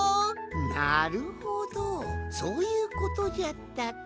なるほどそういうことじゃったか。